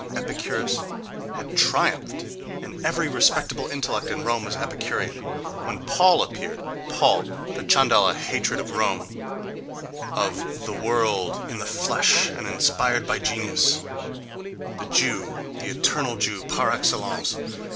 —Epicurus had triumphed, and every respectable intellect in Rome was Epicurean—when Paul appeared ... Paul, the Chandala hatred of Rome, of "the world," in the flesh and inspired by genius—the Jew, the eternal Jew par excellence....